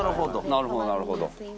なるほどなるほど。